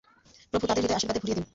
প্রভু তাদের হৃদয় আশীর্বাদে ভরিয়ে দিন।